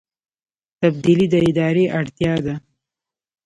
تبدیلي د ادارې اړتیا ده